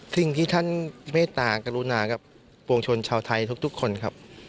สิ่งที่ท่านเมตตากรุณากับปวงชนชาวไทยทุกคนครับ